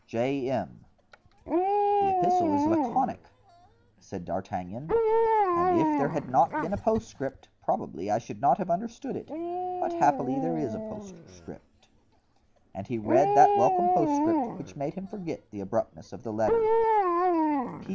—J. M——." "The epistle is laconic," said D'Artagnan; "and if there had not been a postscript, probably I should not have understood it; but happily there is a postscript." And he read that welcome postscript, which made him forget the abruptness of the letter.